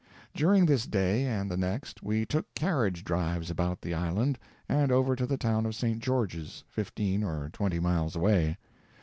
During this day and the next we took carriage drives about the island and over to the town of St. George's, fifteen or twenty miles away.